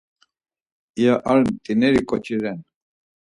İya ar mt̆ineri k̆oçi ren.